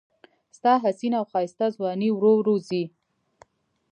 ستا حسینه او ښایسته ځواني ورو ورو ځي